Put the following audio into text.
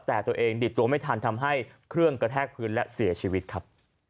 แต่ตัวเองดิดตัวไม่ทันทำให้เครื่องกระแทกพื้นและเสียชีวิตครับ